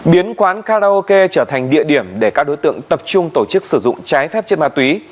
biến quán karaoke trở thành địa điểm để các đối tượng tập trung tổ chức sử dụng trái phép chất ma túy